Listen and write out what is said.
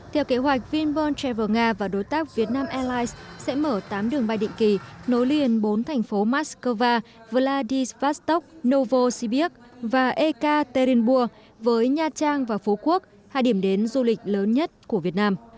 theo kế hoạch vinpearl travel nga và đối tác việt nam airlines sẽ mở tám đường bay định kỳ nối liền bốn thành phố moskova vladivostok novosibirsk và ekaterinburg với nha trang và phú quốc hai điểm đến du lịch lớn nhất của việt nam